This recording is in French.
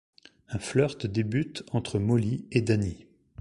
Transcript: Un flirt débute entre Mollie et Danny.